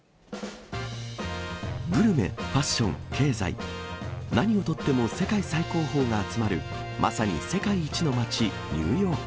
グルメ、ファッション、経済、何をとっても世界最高峰が集まるまさに世界一の街、ニューヨーク。